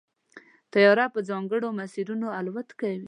طیاره په ځانګړو مسیرونو الوت کوي.